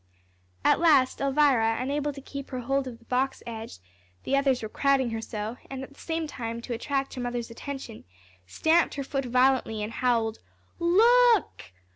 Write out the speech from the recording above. At last Elvira, unable to keep her hold of the box edge, the others were crowding her so, and at the same time to attract her mother's attention, stamped her foot violently and howled, "_Look!